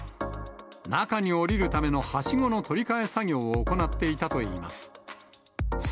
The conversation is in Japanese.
中に下りるためのはしごの取り替え作業を行っていたといいます。